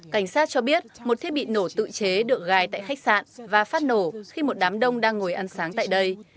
cảnh sát cho biết một thiết bị nổ tự chế được gài tại khách sạn và phát nổ khi một đám đông đang ngồi ăn sáng tại đây